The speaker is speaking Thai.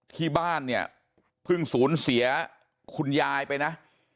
ที่บ้านเนี่ยเพิ่งสูญเสียคุณยายไปนะ